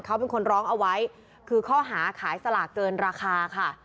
เขาเป็นคนร้องเอาไว้คือข้อหาขายสลากเกินราคาค่ะ